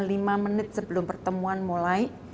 lima menit sebelum pertemuan mulai